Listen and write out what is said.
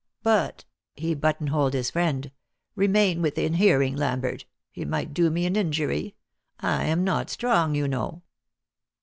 But" he buttonholed his friend "remain within hearing, Lambert. He might do me an injury. I am not strong, you know."